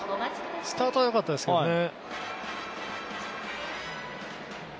スタートはよかったですけどね。